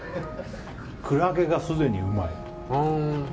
クラゲがすでにうまい。